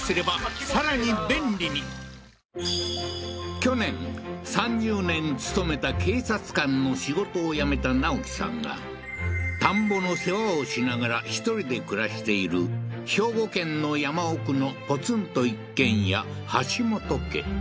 去年３０年勤めた警察官の仕事を辞めた直樹さんが田んぼの世話をしながら１人で暮らしている兵庫県の山奥のポツンと一軒家橋本家